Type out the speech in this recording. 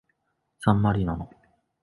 サンマリノの首都はサンマリノである